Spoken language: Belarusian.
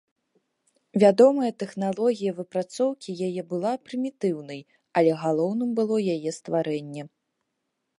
Вядомая тэхналогія выпрацоўкі яе была прымітыўнай, але галоўным было яе стварэнне.